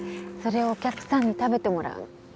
それをお客さんに食べてもらう